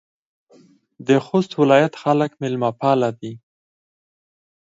د خوست ولایت خلک میلمه پاله دي.